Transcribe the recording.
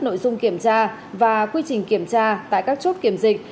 nội dung kiểm tra và quy trình kiểm tra tại các chốt kiểm dịch